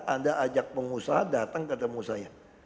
anda ajak pengusaha datang ketemu saya